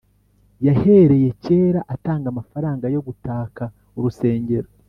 Yahereye cyera atanga amafaranga yo gutaka urusengero